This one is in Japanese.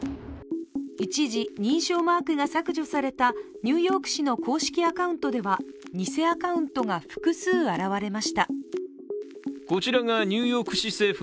一時、認証マークが削除されたニューヨーク市の公式アカウントでは、偽アカウントが複数現れました。